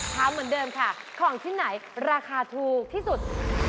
ถามเหมือนเดิมค่ะของที่ไหนราคาถูกที่สุด